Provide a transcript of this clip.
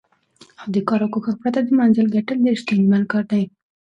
د کار او کوښښ پرته د منزل ګټل ډېر ستونزمن کار دی.